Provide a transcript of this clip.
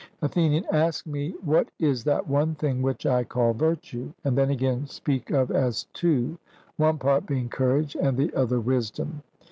ATHENIAN: Ask me what is that one thing which I call virtue, and then again speak of as two, one part being courage and the other wisdom.